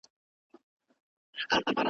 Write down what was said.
هره اداره خپل مسئولیت لري.